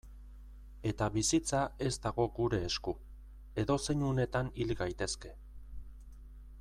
Eta bizitza ez dago gure esku, edozein unetan hil gaitezke.